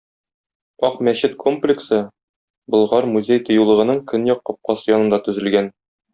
Ак мәчет комплексы Болгар музей-тыюлыгының Көньяк капкасы янында төзелгән.